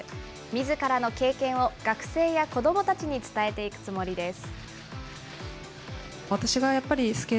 みずからの経験を学生や子どもたちに伝えていくつもりです。